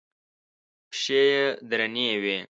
پښې یې درنې وې.